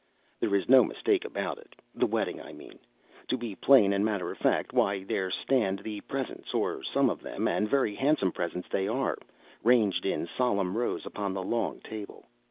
There is no mistake about it—the wedding, I mean. To be plain and matter of fact, why there stand the presents, or some of them, and very handsome presents they are, ranged in solemn rows upon the long table.